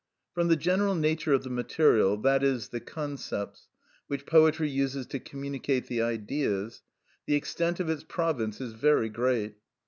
From the general nature of the material, that is, the concepts, which poetry uses to communicate the Ideas, the extent of its province is very great.